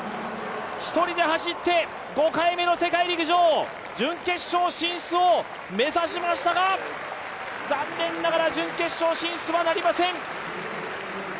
１人で走って、５回目の世界陸上、準決勝進出を目指しましたが、残念ながら準決勝進出はなりません。